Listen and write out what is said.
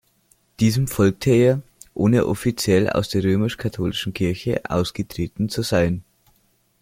Diesem folgte er, ohne offiziell aus der römisch-katholischen Kirche ausgetreten zu sein.